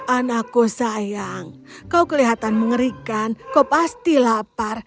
anakku sayang kau kelihatan mengerikan kau pasti lapar